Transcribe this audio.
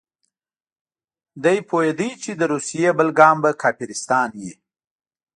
ده پوهېده چې د روسیې بل ګام به کافرستان وي.